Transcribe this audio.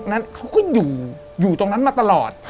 เค้าก็อยู่อยู่ตรงนั้นมาตลอด